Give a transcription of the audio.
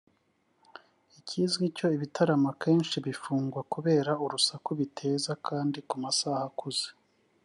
” ikizwi cyo ibitaramo akenshi bifungwa kubera urusaku biteza kandi ku masaha akuze